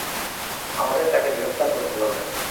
আমাদের তাকে গ্রেফতার করতে হবে।